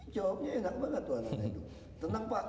jawabnya enak banget tuh anak anak itu